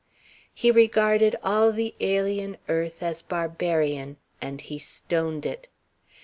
He regarded all the alien earth as barbarian, and he stoned it.